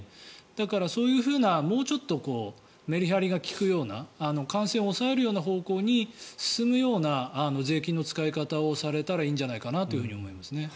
だから、そういうふうなもうちょっとメリハリが利くような感染を抑えるような方向に進むような税金の使い方をされたらいいんじゃないかなと思います。